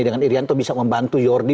dengan rianto bisa membantu jordi